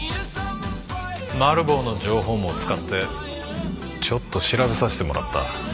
マル暴の情報網を使ってちょっと調べさせてもらった。